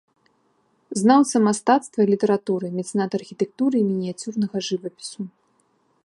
Знаўца мастацтва і літаратуры, мецэнат архітэктуры і мініяцюрнага жывапісу.